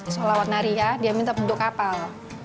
solawanari ya dia minta bentuk kapal